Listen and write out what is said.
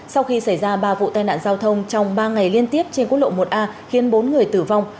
sau khi xảy ra ba vụ tai nạn giao thông trong ba ngày liên tiếp trên quốc lộ một a khiến bốn người tử vong